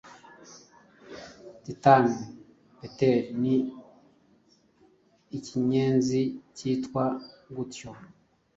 titan beetle ni ikinyenzi cyitwa gutyo